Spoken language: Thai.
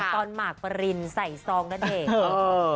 หมากปรินใส่ซองณเดชน์